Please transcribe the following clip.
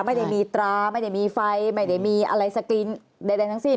ไม่ได้มีตราไม่ได้มีไฟไม่ได้มีอะไรสกรีนใดทั้งสิ้น